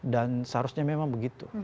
dan seharusnya memang begitu